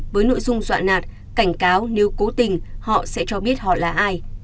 với nội dung dọa nạt cảnh cáo nếu cố tình họ sẽ cho biết họ là ai